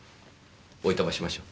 おいとましましょ。